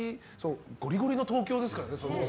ゴリゴリの東京ですからね。